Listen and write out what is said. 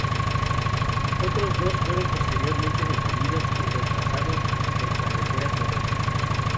Otros dos fueron posteriormente demolidos y reemplazados por carreteras modernas.